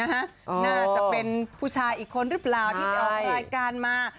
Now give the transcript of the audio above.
น่าจะเป็นผู้ชายอีกคนหรือเปล่าที่ไปออกรายการมา